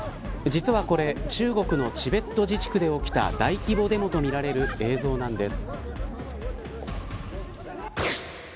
実はこれ、中国のチベット自治区で起きた大規模デモとみられる映像なんです。